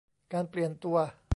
การเปลี่ยนตัว